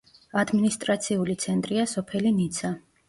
ადმინისტრაციული ცენტრია სოფელი ნიცა.